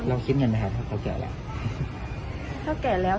เวลาแค่หนูแร่อยังไงถ้เขาแก่แล้ว